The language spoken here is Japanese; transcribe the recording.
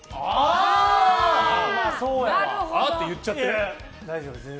あ！あ！って言っちゃってる。